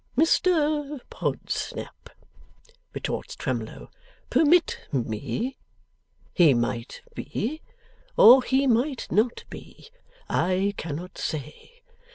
'Mr Podsnap,' retorts Twemlow, 'permit me. He might be, or he might not be. I cannot say.